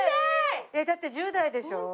だって１０代でしょ？